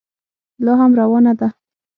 لا هم روانه ده.